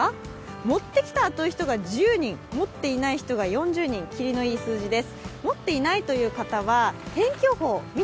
持ってきたという人が１０人持っていない人が４０人、キリのいい数字です。